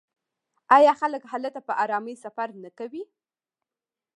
آیا خلک هلته په ارامۍ سفر نه کوي؟